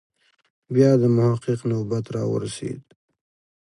بیا د محقق نوبت راورسېد.